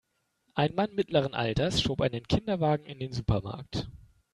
Ein Mann mittleren Alters schob einen Kinderwagen in den Supermarkt.